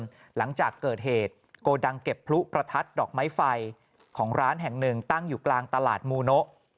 หลังจากเกิดเหตุโกดังเก็บพลุประทัดดอกไม้ไฟของร้านแห่งหนึ่งตั้งอยู่กลางตลาดมูโนะ